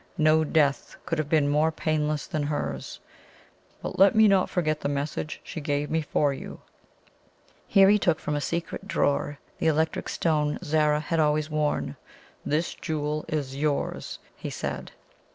No death could have been more painless than hers. But let me not forget the message she gave me for you." Here he took from a secret drawer the electric stone Zara had always worn. "This jewel is yours," he said.